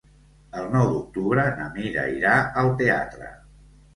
El nou d'octubre na Mira irà al teatre.